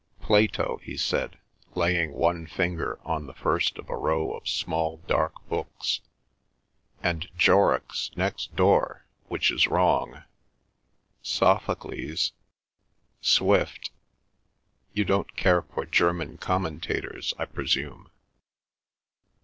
"Plato," he said, laying one finger on the first of a row of small dark books, "and Jorrocks next door, which is wrong. Sophocles, Swift. You don't care for German commentators, I presume.